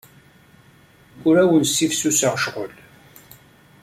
Ur awen-ssifsuseɣ ccɣel.